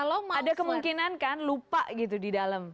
kalau ada kemungkinan kan lupa gitu di dalam